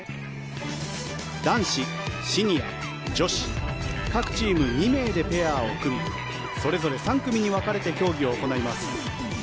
男子、シニア、女子各チーム２名でペアを組みそれぞれ３組に分かれて競技を行います。